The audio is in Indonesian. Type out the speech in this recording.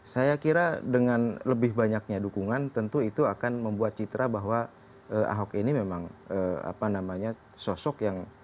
saya kira dengan lebih banyaknya dukungan tentu itu akan membuat citra bahwa ahok ini memang apa namanya sosok yang